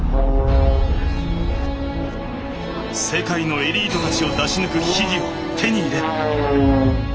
世界のエリートたちを出し抜く秘技を手に入れ。